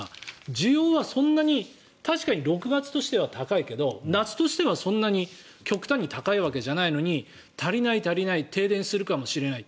需要はそんなに確かに６月としては高いけど夏としてはそんなに極端に高いわけじゃないのに足りない、足りない停電するかもしれない。